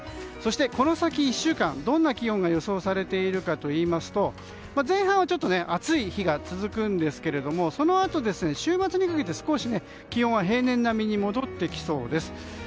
そしてこの先１週間どんな気温が予想されているかというと前半は暑い日が続くんですけどもそのあと週末にかけて少し気温は平年並みに戻ってきそうです。